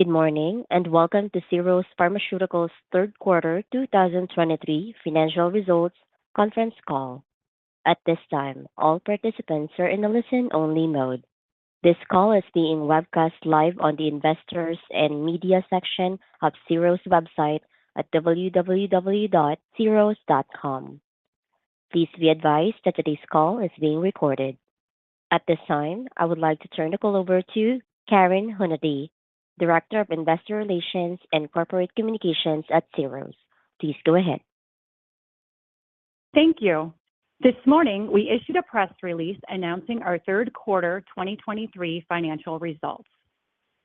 Good morning, and welcome to Syros Pharmaceuticals' third quarter 2023 financial results conference call. At this time, all participants are in a listen-only mode. This call is being webcast live on the Investors and Media section of Syros' website at www.syros.com. Please be advised that today's call is being recorded. At this time, I would like to turn the call over to Karen Hunady, Director of Investor Relations and Corporate Communications at Syros. Please go ahead. Thank you. This morning, we issued a press release announcing our third quarter 2023 financial results.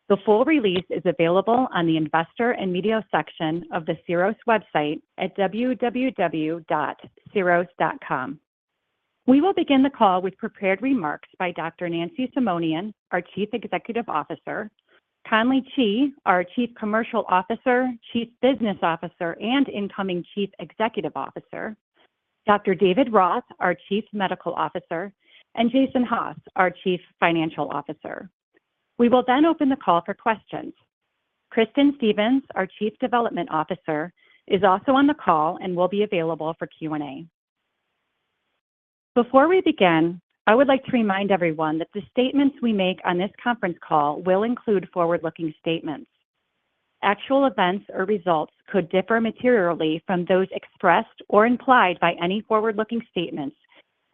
The full release is available on the Investor and Media section of the Syros website at www.syros.com. We will begin the call with prepared remarks by Dr. Nancy Simonian, our Chief Executive Officer, Conley Chee, our Chief Commercial Officer, Chief Business Officer, and incoming Chief Executive Officer, Dr. David Roth, our Chief Medical Officer, and Jason Haas, our Chief Financial Officer. We will then open the call for questions. Kristen Stevens, our Chief Development Officer, is also on the call and will be available for Q&A. Before we begin, I would like to remind everyone that the statements we make on this conference call will include forward-looking statements. Actual events or results could differ materially from those expressed or implied by any forward-looking statements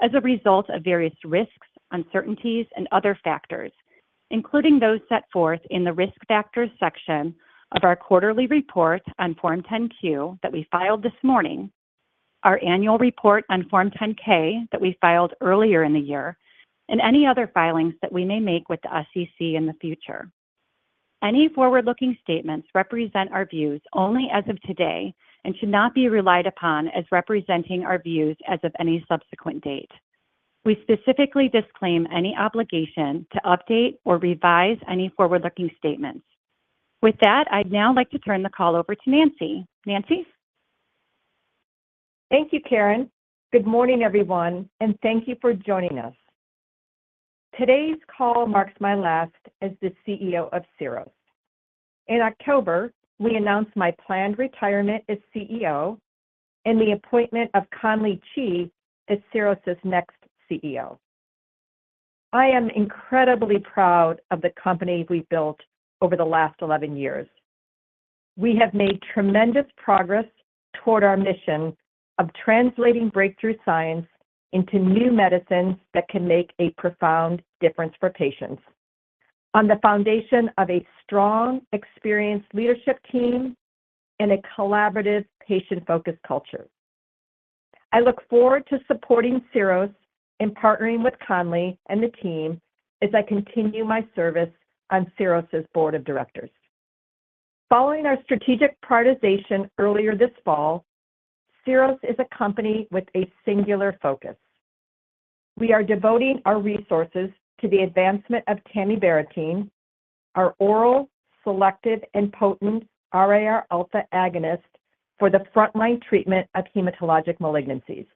as a result of various risks, uncertainties, and other factors, including those set forth in the Risk Factors section of our quarterly report on Form 10-Q that we filed this morning, our annual report on Form 10-K that we filed earlier in the year, and any other filings that we may make with the SEC in the future. Any forward-looking statements represent our views only as of today and should not be relied upon as representing our views as of any subsequent date. We specifically disclaim any obligation to update or revise any forward-looking statements. With that, I'd now like to turn the call over to Nancy. Nancy? Thank you, Karen. Good morning, everyone, and thank you for joining us. Today's call marks my last as the CEO of Syros. In October, we announced my planned retirement as CEO and the appointment of Conley Chee as Syros' next CEO. I am incredibly proud of the company we've built over the last eleven years. We have made tremendous progress toward our mission of translating breakthrough science into new medicines that can make a profound difference for patients on the foundation of a strong, experienced leadership team and a collaborative, patient-focused culture. I look forward to supporting Syros and partnering with Conley and the team as I continue my service on Syros' board of directors. Following our strategic prioritization earlier this fall, Syros is a company with a singular focus. We are devoting our resources to the advancement of tamibarotene, our oral, selective, and potent RARα agonist for the frontline treatment of hematologic malignancies.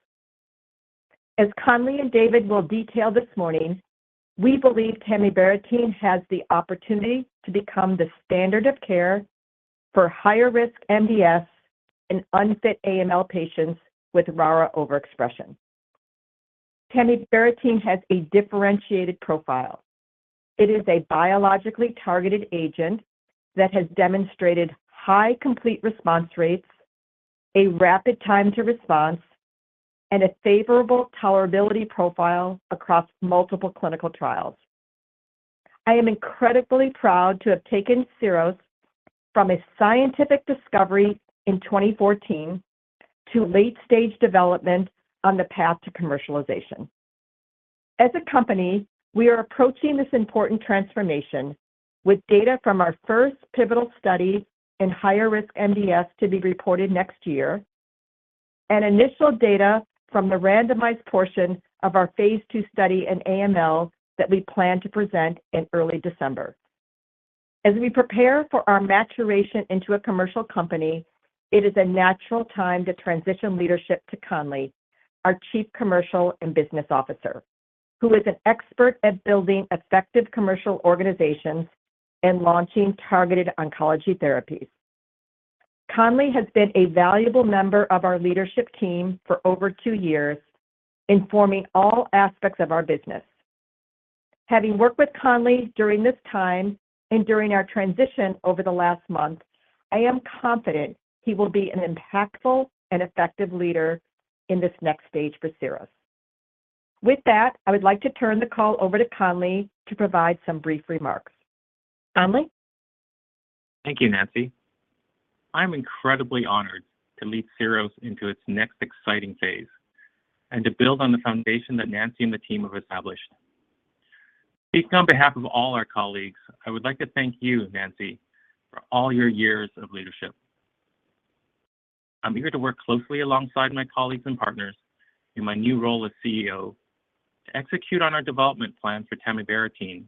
As Conley and David will detail this morning, we believe tamibarotene has the opportunity to become the standard of care for higher-risk MDS in unfit AML patients with RARA overexpression. Tamibarotene has a differentiated profile. It is a biologically targeted agent that has demonstrated high complete response rates, a rapid time to response, and a favorable tolerability profile across multiple clinical trials. I am incredibly proud to have taken Syros from a scientific discovery in 2014 to late-stage development on the path to commercialization. As a company, we are approaching this important transformation with data from our first pivotal study in higher-risk MDS to be reported next year and initial data from the randomized portion of our phase 2 study in AML that we plan to present in early December. As we prepare for our maturation into a commercial company, it is a natural time to transition leadership to Conley, our Chief Commercial and Business Officer, who is an expert at building effective commercial organizations and launching targeted oncology therapies. Conley has been a valuable member of our leadership team for over two years, informing all aspects of our business. Having worked with Conley during this time and during our transition over the last month, I am confident he will be an impactful and effective leader in this next stage for Syros. With that, I would like to turn the call over to Conley to provide some brief remarks. Conley? Thank you, Nancy. I'm incredibly honored to lead Syros into its next exciting phase and to build on the foundation that Nancy and the team have established. Speaking on behalf of all our colleagues, I would like to thank you, Nancy, for all your years of leadership. I'm eager to work closely alongside my colleagues and partners in my new role as CEO to execute on our development plan for tamibarotene,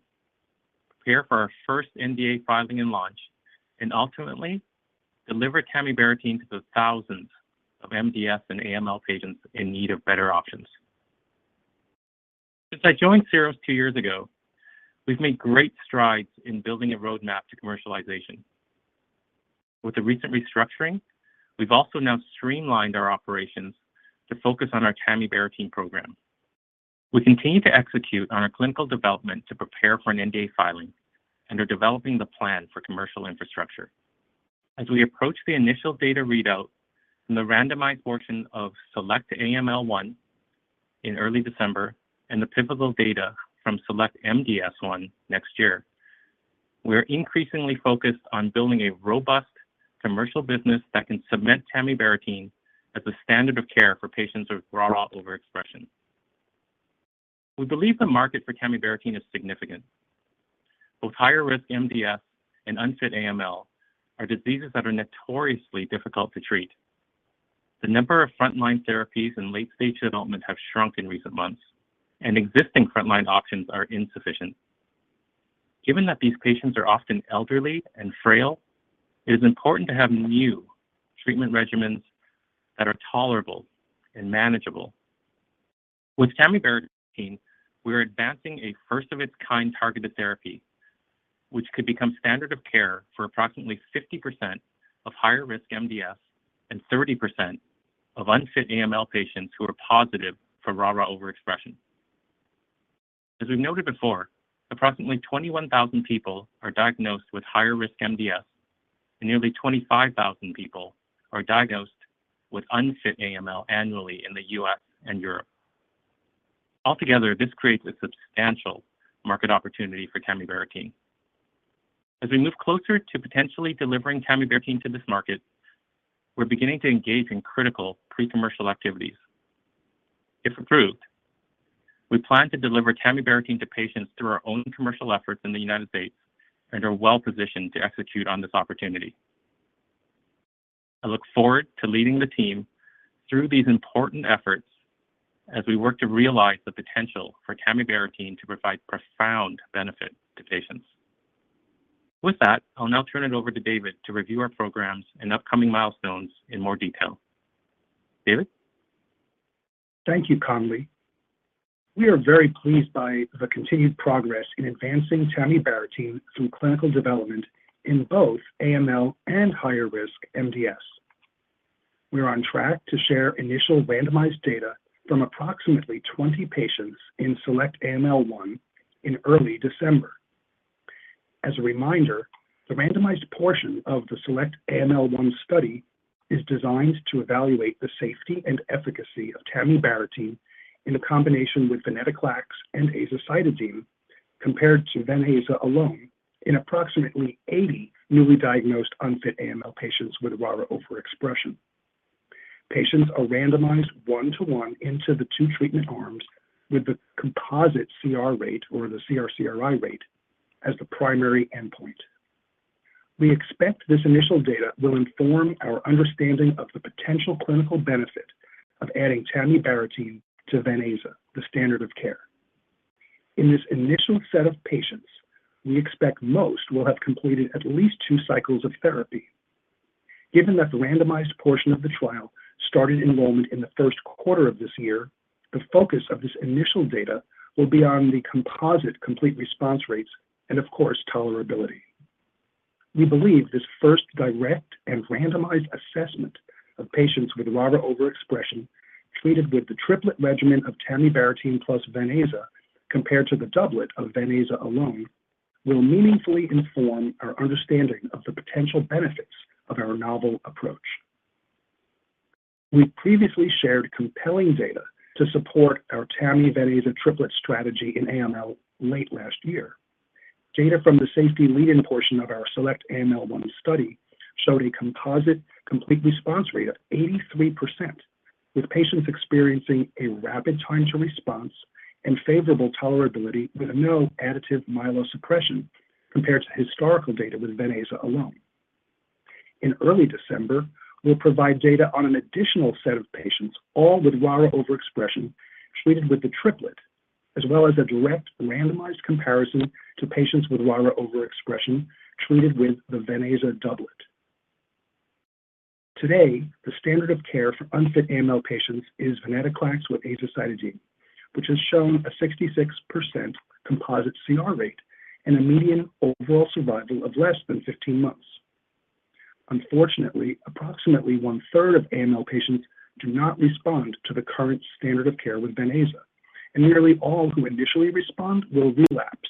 prepare for our first NDA filing and launch, and ultimately deliver tamibarotene to the thousands of MDS and AML patients in need of better options.... Since I joined Syros two years ago, we've made great strides in building a roadmap to commercialization. With the recent restructuring, we've also now streamlined our operations to focus on our tamibarotene program. We continue to execute on our clinical development to prepare for an NDA filing and are developing the plan for commercial infrastructure. As we approach the initial data readout from the randomized portion of SELECT-AML-1 in early December and the pivotal data from SELECT-MDS-1 next year, we are increasingly focused on building a robust commercial business that can cement tamibarotene as a standard of care for patients with RARA overexpression. We believe the market for tamibarotene is significant. Both higher-risk MDS and unfit AML are diseases that are notoriously difficult to treat. The number of frontline therapies in late-stage development have shrunk in recent months, and existing frontline options are insufficient. Given that these patients are often elderly and frail, it is important to have new treatment regimens that are tolerable and manageable. With tamibarotene, we are advancing a first-of-its-kind targeted therapy, which could become standard of care for approximately 50% of higher-risk MDS and 30% of unfit AML patients who are positive for RARA overexpression. As we've noted before, approximately 21,000 people are diagnosed with higher-risk MDS, and nearly 25,000 people are diagnosed with unfit AML annually in the U.S. and Europe. Altogether, this creates a substantial market opportunity for tamibarotene. As we move closer to potentially delivering tamibarotene to this market, we're beginning to engage in critical pre-commercial activities. If approved, we plan to deliver tamibarotene to patients through our own commercial efforts in the United States and are well-positioned to execute on this opportunity. I look forward to leading the team through these important efforts as we work to realize the potential for tamibarotene to provide profound benefit to patients. With that, I'll now turn it over to David to review our programs and upcoming milestones in more detail. David? Thank you, Conley. We are very pleased by the continued progress in advancing tamibarotene through clinical development in both AML and higher-risk MDS. We are on track to share initial randomized data from approximately 20 patients in SELECT-AML 1 in early December. As a reminder, the randomized portion of the SELECT-AML 1 study is designed to evaluate the safety and efficacy of tamibarotene in a combination with venetoclax and azacitidine, compared to venaza alone in approximately 80 newly diagnosed unfit AML patients with RARA overexpression. Patients are randomized 1-to-1 into the two treatment arms, with the composite CR rate or the CR/CRI rate as the primary endpoint. We expect this initial data will inform our understanding of the potential clinical benefit of adding tamibarotene to venaza, the standard of care. In this initial set of patients, we expect most will have completed at least 2 cycles of therapy. Given that the randomized portion of the trial started enrollment in the first quarter of this year, the focus of this initial data will be on the composite complete response rates and, of course, tolerability. We believe this first direct and randomized assessment of patients with RARA overexpression treated with the triplet regimen of tamibarotene plus venaza, compared to the doublet of venaza alone, will meaningfully inform our understanding of the potential benefits of our novel approach. We previously shared compelling data to support our tamibarotene triplet strategy in AML late last year. Data from the safety lead-in portion of our SELECT-AML-1 study showed a composite complete response rate of 83%, with patients experiencing a rapid time to response and favorable tolerability, with no additive myelosuppression compared to historical data with venaza alone. In early December, we'll provide data on an additional set of patients, all with RARA overexpression, treated with the triplet, as well as a direct randomized comparison to patients with RARA overexpression treated with the venaza doublet. Today, the standard of care for unfit AML patients is venetoclax with azacitidine, which has shown a 66% composite CR rate and a median overall survival of less than 15 months. Unfortunately, approximately one-third of AML patients do not respond to the current standard of care with venaza, and nearly all who initially respond will relapse.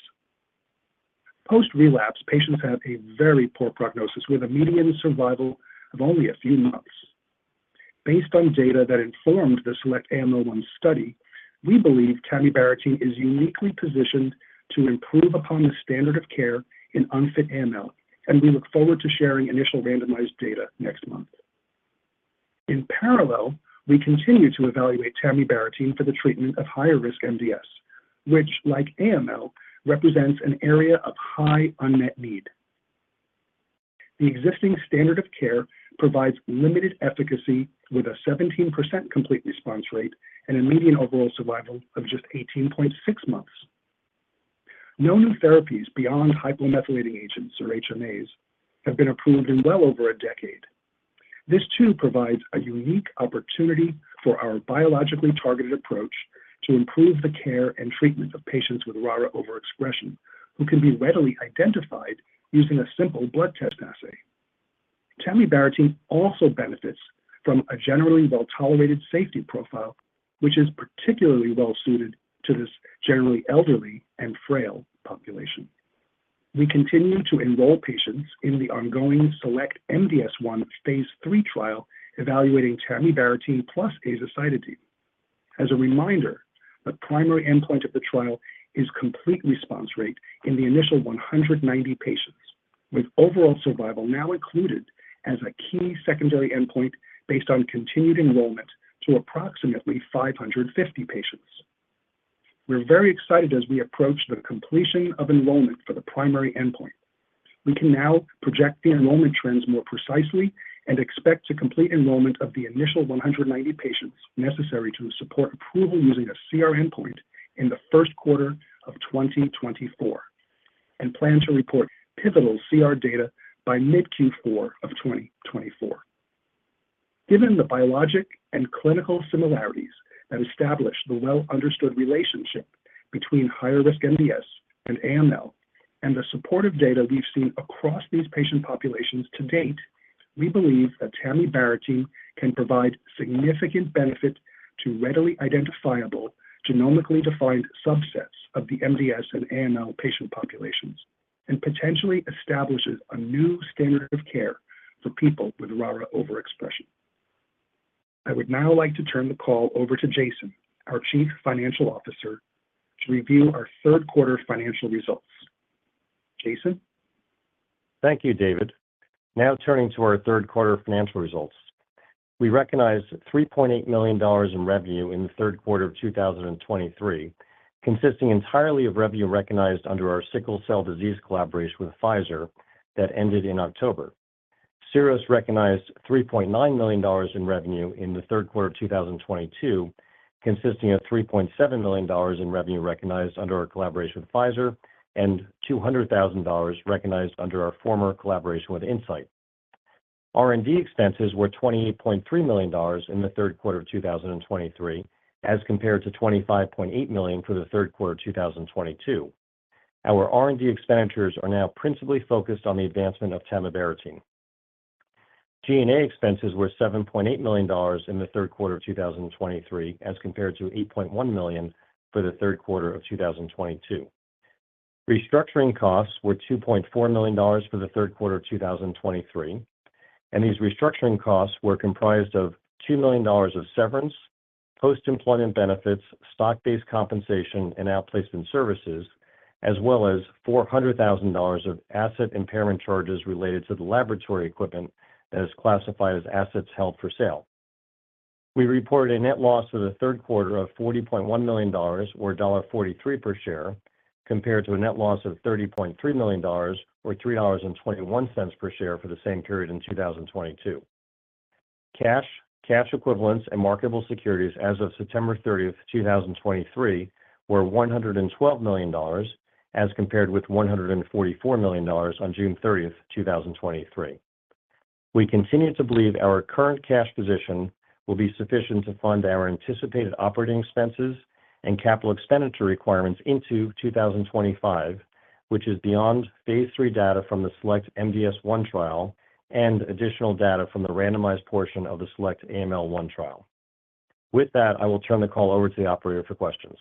Post-relapse, patients have a very poor prognosis, with a median survival of only a few months. Based on data that informed the SELECT-AML-1 study, we believe tamibarotene is uniquely positioned to improve upon the standard of care in unfit AML, and we look forward to sharing initial randomized data next month. In parallel, we continue to evaluate tamibarotene for the treatment of higher-risk MDS, which, like AML, represents an area of high unmet need. The existing standard of care provides limited efficacy, with a 17% complete response rate and a median overall survival of just 18.6 months.... No new therapies beyond hypomethylating agents or HMAs have been approved in well over a decade. This, too, provides a unique opportunity for our biologically targeted approach to improve the care and treatment of patients with RARA overexpression, who can be readily identified using a simple blood test assay. Tamibarotene also benefits from a generally well-tolerated safety profile, which is particularly well-suited to this generally elderly and frail population. We continue to enroll patients in the ongoing SELECT-MDS1 phase 3 trial evaluating tamibarotene plus azacitidine. As a reminder, the primary endpoint of the trial is complete response rate in the initial 190 patients, with overall survival now included as a key secondary endpoint based on continued enrollment to approximately 550 patients. We're very excited as we approach the completion of enrollment for the primary endpoint. We can now project the enrollment trends more precisely and expect to complete enrollment of the initial 190 patients necessary to support approval using a CR endpoint in the first quarter of 2024, and plan to report pivotal CR data by mid-Q4 of 2024. Given the biologic and clinical similarities that establish the well-understood relationship between higher-risk MDS and AML, and the supportive data we've seen across these patient populations to date, we believe that tamibarotene can provide significant benefit to readily identifiable, genomically defined subsets of the MDS and AML patient populations, and potentially establishes a new standard of care for people with RARA overexpression. I would now like to turn the call over to Jason, our Chief Financial Officer, to review our third quarter financial results. Jason? Thank you, David. Now turning to our third quarter financial results. We recognized $3.8 million in revenue in the third quarter of 2023, consisting entirely of revenue recognized under our sickle cell disease collaboration with Pfizer that ended in October. Syros recognized $3.9 million in revenue in the third quarter of 2022, consisting of $3.7 million in revenue recognized under our collaboration with Pfizer and $200,000 recognized under our former collaboration with Insight. R&D expenses were $28.3 million in the third quarter of 2023, as compared to $25.8 million for the third quarter of 2022. Our R&D expenditures are now principally focused on the advancement of tamibarotene. G&A expenses were $7.8 million in the third quarter of 2023, as compared to $8.1 million for the third quarter of 2022. Restructuring costs were $2.4 million for the third quarter of 2023, and these restructuring costs were comprised of $2 million of severance, post-employment benefits, stock-based compensation, and outplacement services, as well as $400,000 of asset impairment charges related to the laboratory equipment that is classified as assets held for sale. We reported a net loss for the third quarter of $40.1 million, or $1.43 per share, compared to a net loss of $30.3 million, or $3.21 per share for the same period in 2022. Cash, cash equivalents, and marketable securities as of September 30, 2023, were $112 million, as compared with $144 million on June 30, 2023. We continue to believe our current cash position will be sufficient to fund our anticipated operating expenses and capital expenditure requirements into 2025, which is beyond phase 3 data from the SELECT-MDS1 trial and additional data from the randomized portion of the SELECT-AML1 trial. With that, I will turn the call over to the operator for questions.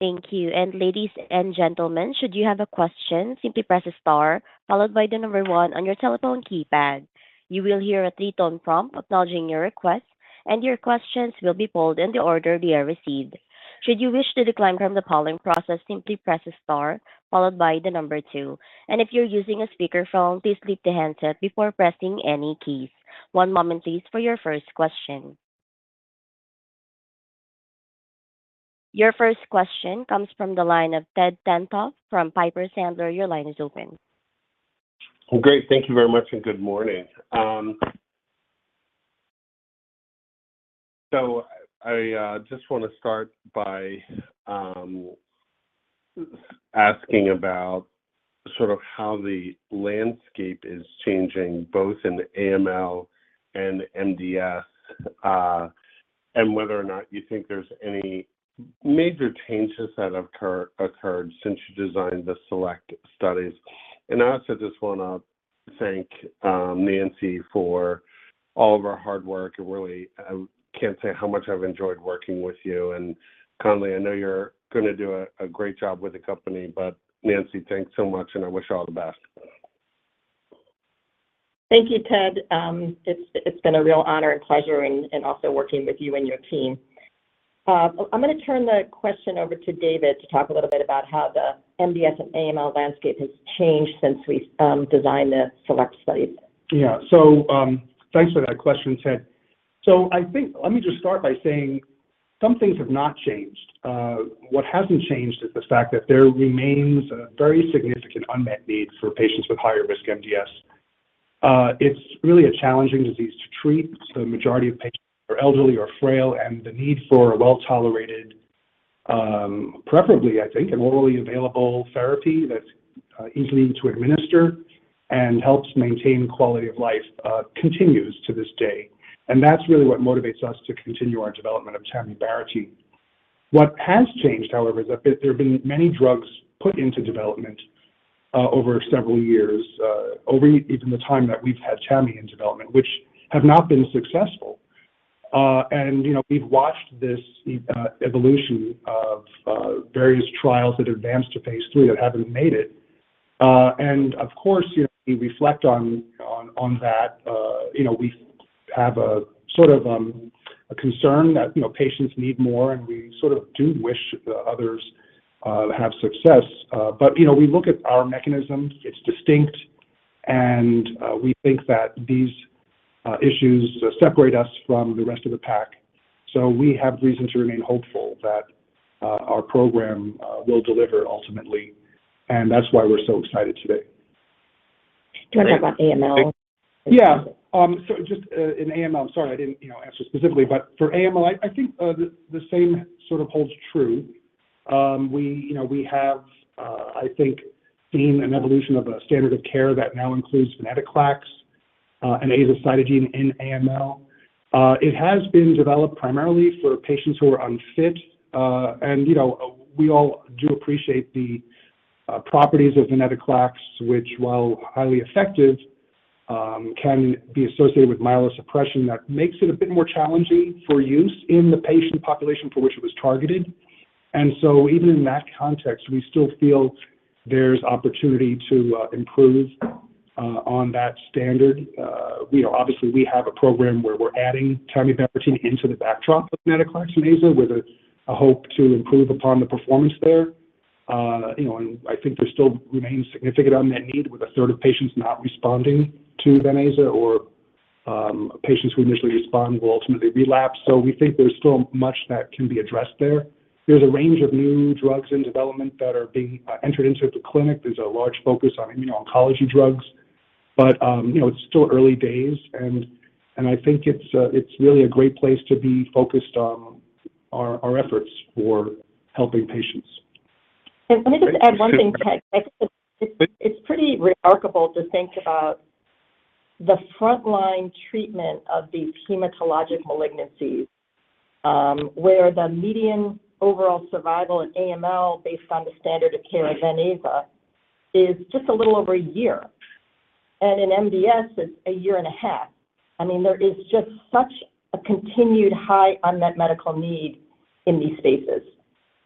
Thank you. And ladies and gentlemen, should you have a question, simply press star followed by the number one on your telephone keypad. You will hear a three-tone prompt acknowledging your request, and your questions will be pulled in the order they are received. Should you wish to decline from the polling process, simply press star followed by the number two. And if you're using a speakerphone, please lift the handset before pressing any keys. One moment, please, for your first question. Your first question comes from the line of Ted Danto from Piper Sandler. Your line is open. Great. Thank you very much, and good morning. So I just wanna start by asking about sort of how the landscape is changing, both in the AML and MDS, and whether or not you think there's any major changes that have occurred since you designed the SELECT studies. And I also just wanna thank Nancy for all of her hard work. And really, I can't say how much I've enjoyed working with you. And Conley, I know you're gonna do a great job with the company, but Nancy, thanks so much, and I wish you all the best. Thank you, Ted. It's been a real honor and pleasure and also working with you and your team. I'm gonna turn the question over to David to talk a little bit about how the MDS and AML landscape has changed since we designed the SELECT studies. Yeah. Thanks for that question, Ted. I think let me just start by saying some things have not changed. What hasn't changed is the fact that there remains a very significant unmet need for patients with higher-risk MDS.... It's really a challenging disease to treat. The majority of patients are elderly or frail, and the need for a well-tolerated, preferably, I think, an orally available therapy that's easy to administer and helps maintain quality of life continues to this day, and that's really what motivates us to continue our development of tamibarotene. What has changed, however, is that there have been many drugs put into development over several years over even the time that we've had tamibarotene in development, which have not been successful. And, you know, we've watched this evolution of various trials that advanced to phase three that haven't made it. And of course, you know, we reflect on that. You know, we have a sort of a concern that, you know, patients need more, and we sort of do wish the others have success. But, you know, we look at our mechanism, it's distinct, and we think that these issues separate us from the rest of the pack. So we have reason to remain hopeful that our program will deliver ultimately, and that's why we're so excited today. Can I talk about AML? Yeah. So just in AML, sorry, I didn't, you know, answer specifically, but for AML, I think the same sort of holds true. We, you know, have, I think, seen an evolution of a standard of care that now includes venetoclax and azacitidine in AML. It has been developed primarily for patients who are unfit. And, you know, we all do appreciate the properties of venetoclax, which, while highly effective, can be associated with myelosuppression that makes it a bit more challenging for use in the patient population for which it was targeted. And so even in that context, we still feel there's opportunity to improve on that standard. We know, obviously, we have a program where we're adding tamibarotene into the backdrop of venetoclax and aza, with a hope to improve upon the performance there. You know, and I think there still remains significant unmet need, with a third of patients not responding to venaza or patients who initially respond will ultimately relapse. So we think there's still much that can be addressed there. There's a range of new drugs in development that are being entered into the clinic. There's a large focus on immuno-oncology drugs, but you know, it's still early days, and I think it's really a great place to be focused on our efforts for helping patients. And let me just add one thing, Ted. It's, it's pretty remarkable to think about the frontline treatment of these hematologic malignancies, where the median overall survival in AML, based on the standard of care of venaza, is just a little over a year, and in MDS, it's a year and a half. I mean, there is just such a continued high unmet medical need in these spaces.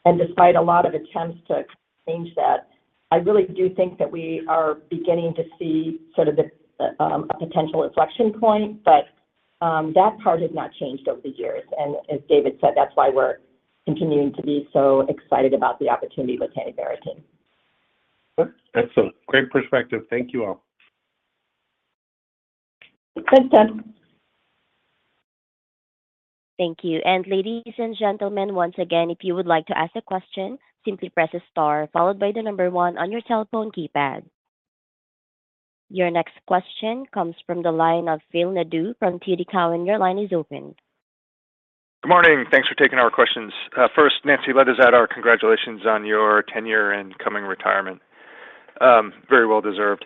And despite a lot of attempts to change that, I really do think that we are beginning to see sort of a, a potential inflection point, but, that part has not changed over the years. And as David said, that's why we're continuing to be so excited about the opportunity with tamibarotene. Excellent. Great perspective. Thank you, all. Thank you. And ladies and gentlemen, once again, if you would like to ask a question, simply press star followed by the number 1 on your telephone keypad. Your next question comes from the line of Phil Nadeau from TD Cowen. Your line is open. Good morning. Thanks for taking our questions. First, Nancy, let us add our congratulations on your tenure and coming retirement. Very well-deserved.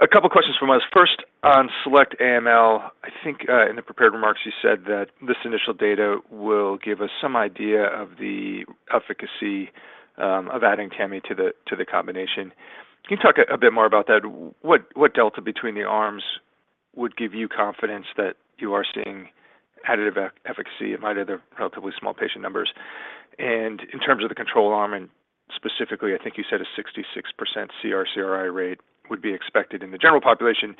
A couple questions from us. First, on select AML, I think, in the prepared remarks, you said that this initial data will give us some idea of the efficacy, of adding TAMI to the, to the combination. Can you talk a bit more about that? What delta between the arms would give you confidence that you are seeing additive efficacy amid the relatively small patient numbers? And in terms of the control arm, and specifically, I think you said a 66% CR/CRi rate would be expected in the general population,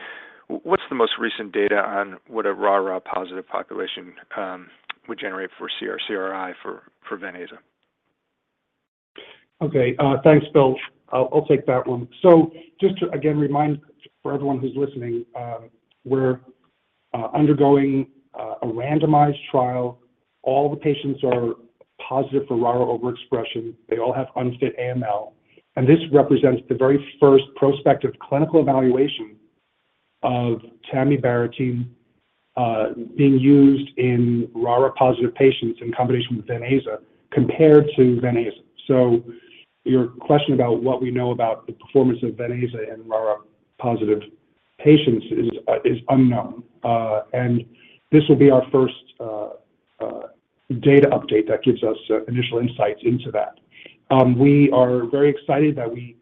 what's the most recent data on what a RARA positive population would generate for CR/CRi for venaza? Okay, thanks, Phil. I'll take that one. So just to, again, remind for everyone who's listening, we're undergoing a randomized trial. All the patients are positive for RARA overexpression. They all have unfit AML, and this represents the very first prospective clinical evaluation of tamibarotene being used in RARA-positive patients in combination with venaza compared to venaza. So your question about what we know about the performance of venaza in RARA-positive patients is unknown, and this will be our first data update that gives us initial insights into that. We are very excited that we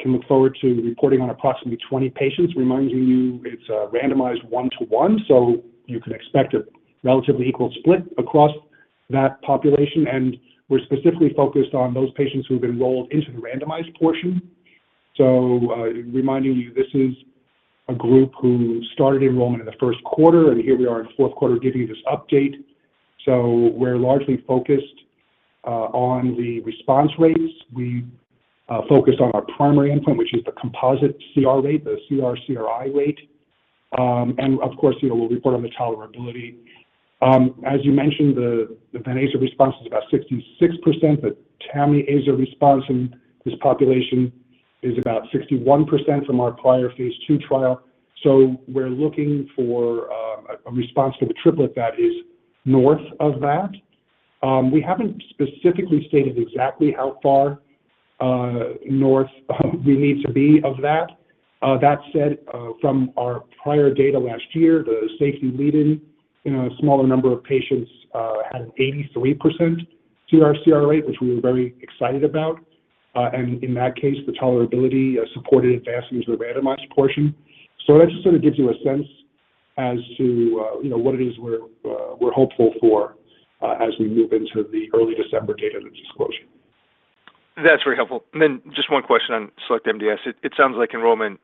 can look forward to reporting on approximately 20 patients, reminding you it's randomized 1:1, so you can expect a relatively equal split across that population, and we're specifically focused on those patients who have enrolled into the randomized portion. So, reminding you, this is a group who started enrollment in the first quarter, and here we are in the fourth quarter giving you this update. So we're largely focused on the response rates. We focus on our primary endpoint, which is the composite CR rate, the CR/CRi rate. And of course, you know, we'll report on the tolerability. As you mentioned, the venaza response is about 66%, but tami-aza response in this population is about 61% from our prior phase 2 trial. So we're looking for a response to the triplet that is north of that. We haven't specifically stated exactly how far north we need to be of that. That said, from our prior data last year, the safety lead-in in a smaller number of patients had an 83% CR/CRi rate, which we were very excited about. And in that case, the tolerability supported advancements with randomized portion. So that just sort of gives you a sense as to you know what it is we're we're hopeful for as we move into the early December data disclosure. That's very helpful. And then just one question on Select MDS. It sounds like enrollment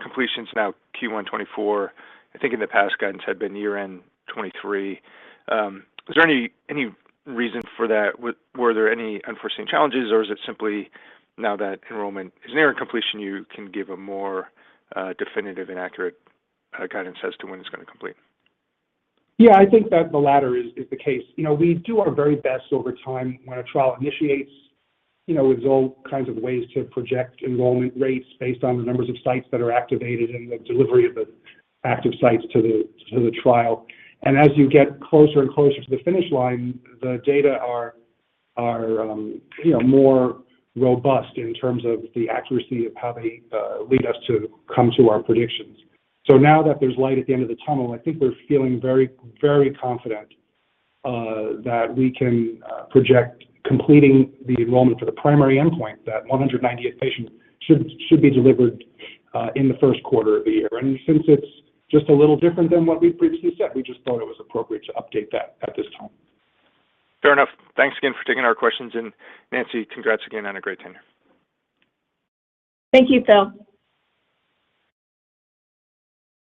completions now Q1 2024. I think in the past, guidance had been year-end 2023. Is there any reason for that? Were there any unforeseen challenges, or is it simply now that enrollment is near completion, you can give a more definitive and accurate guidance as to when it's gonna complete? Yeah, I think that the latter is the case. You know, we do our very best over time when a trial initiates, you know, with all kinds of ways to project enrollment rates based on the numbers of sites that are activated and the delivery of the active sites to the trial. And as you get closer and closer to the finish line, the data are, you know, more robust in terms of the accuracy of how they lead us to come to our predictions. So now that there's light at the end of the tunnel, I think we're feeling very, very confident that we can project completing the enrollment for the primary endpoint, that 198 patients should be delivered in the first quarter of the year. Since it's just a little different than what we previously said, we just thought it was appropriate to update that at this time. Fair enough. Thanks again for taking our questions. Nancy, congrats again on a great tenure. Thank you, Phil.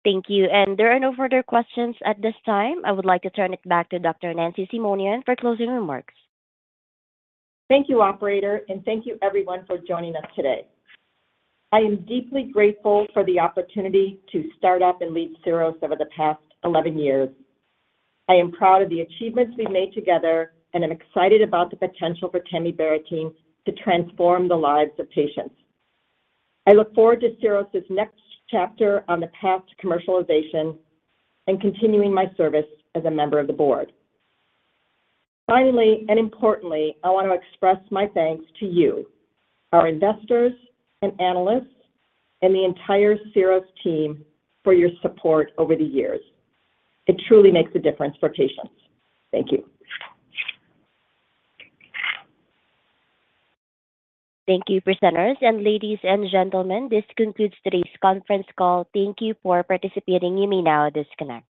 Thank you. There are no further questions at this time. I would like to turn it back to Dr. Nancy Simonian for closing remarks. Thank you, operator, and thank you everyone for joining us today. I am deeply grateful for the opportunity to start up and lead Syros over the past 11 years. I am proud of the achievements we've made together, and I'm excited about the potential for tamibarotene to transform the lives of patients. I look forward to Syros's next chapter on the path to commercialization and continuing my service as a member of the board. Finally, and importantly, I want to express my thanks to you, our investors and analysts, and the entire Syros team for your support over the years. It truly makes a difference for patients. Thank you. Thank you, presenters. Ladies and gentlemen, this concludes today's conference call. Thank you for participating. You may now disconnect.